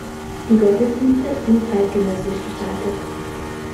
Die Gottesdienste sind zeitgenössisch gestaltet.